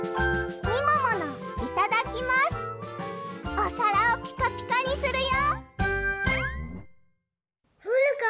おさらをピカピカにするよ！